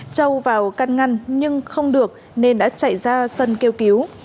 châu vào căn ngăn nhưng không được nên đã chạy ra sân kêu cứu